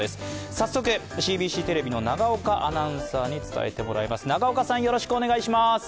早速、ＣＢＣテレビの永岡アナウンサーに伝えてもらいます。